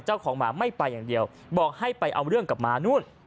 เจ้าของหมาไม่ไปอย่างเดียวบอกให้ไปเอาเรื่องกับหมานู่น